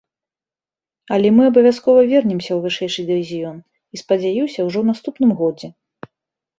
Але мы абавязкова вернемся ў вышэйшы дывізіён, і, спадзяюся, ужо ў наступным годзе.